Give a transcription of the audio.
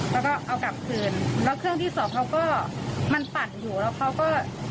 แล้วก็เอากลับคืนแล้วเครื่องที่สองเขาก็มันปั่นอยู่แล้วเขาก็